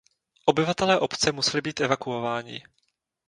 Obyvatelé obce museli být evakuováni.